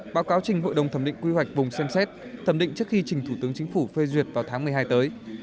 báo cáo trình hội đồng thẩm định quy hoạch vùng xem xét thẩm định trước khi trình thủ tướng chính phủ phê duyệt vào tháng một mươi hai tới